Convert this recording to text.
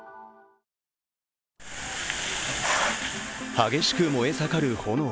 激しく燃え盛る炎。